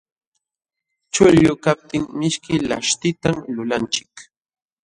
Chuqllu kaptin mishki laśhtitan lulanchik.